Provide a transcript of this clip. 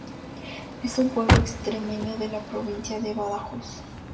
Es un pueblo extremeño de la provincia de Badajoz.